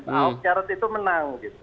ahok jarod itu menang